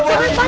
gue gak mau